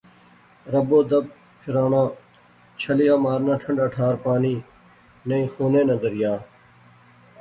ربو دب پھرانا، چھلیا مارنا ٹھںڈا ٹھار پانی، نئیں خونے ناں دریا